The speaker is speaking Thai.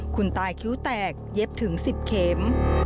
คนตายคิ้วแตกเย็บถึง๑๐เข็ม